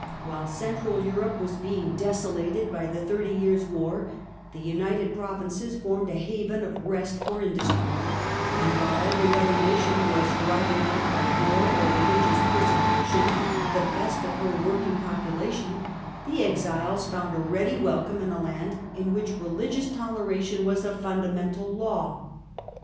While central Europe was being deso lated by the Thirty Years* War the United Provinces formed a haven of rest for industry; and while every other nation was driving out, by war or religious perse cution, the best of her working population, the exiles found a ready welcome in a land in which religious toleration was a fundamental law.